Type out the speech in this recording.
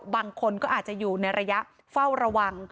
บางคนก็อาจจะอยู่ในระยะเฝ้าระวัง